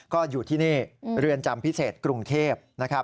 ก็อยู่ที่นี่เรือนจำพิเศษกรุงเทพนะครับ